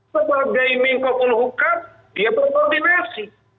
sebagai mengko puluh hukam dia berkoordinasi